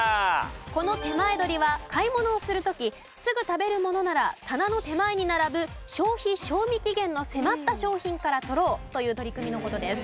このてまえどりは買い物をする時すぐ食べるものなら棚の手前に並ぶ消費・賞味期限の迫った商品から取ろうという取り組みの事です。